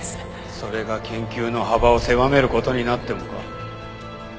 それが研究の幅を狭める事になってもか？